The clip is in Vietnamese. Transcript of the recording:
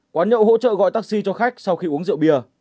quán nhậu hỗ trợ gọi taxi cho khách sau khi uống rượu bia